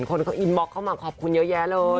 คนเขาอินบล็อกเข้ามาขอบคุณเยอะแยะเลย